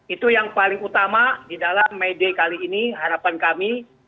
itu yang paling utama di dalam may day kali ini harapan kami